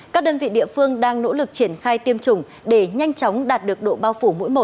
các đơn vị địa phương đang nỗ lực triển khai tiêm chủng để nhanh chóng đạt được độ bao phủ mỗi một